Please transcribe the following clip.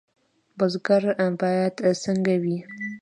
بزګر باید څنګه وي؟